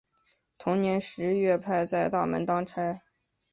同年十月派在大门当差。